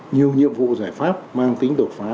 nhiều nhiệm vụ giải pháp mang tính đột phá